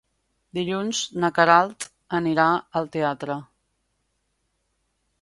Dilluns na Queralt anirà al teatre.